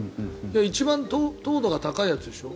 一番、糖度が高いやつでしょ。